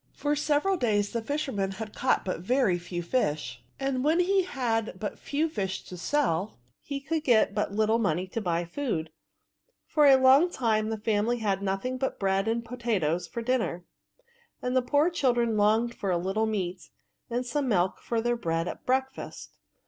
For several days the fisherman had caught but very few fish ; and when he had but few fish to sell^ he could get but little money to buy food. For a long time the family had had nothing but bread and po tatoes for dinner, and the poor children longed for a little meat, and some milk with their bread at breakfast.